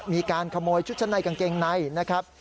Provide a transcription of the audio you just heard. มีการขโมยชุดชั้นในกางเกงในนะครับ